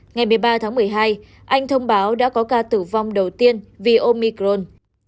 ngày một mươi ba tháng một mươi hai anh thông báo đã có ca tử vong đầu tiên vì omicron